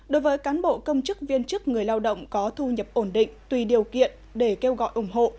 đối với cán bộ công chức viên chức người lao động có thu nhập ổn định tùy điều kiện để kêu gọi ủng hộ